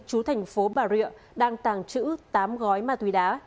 chú thành phố bà rịa đang tàng trữ tám gói ma túy đá